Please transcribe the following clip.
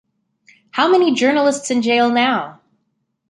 How many journalists in jail now?